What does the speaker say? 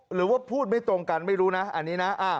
หรือว่าพูดไม่ตรงกันไม่รู้นะอันนี้นะ